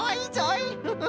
フフフフ。